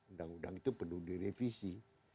undang undang itu perlu direvisi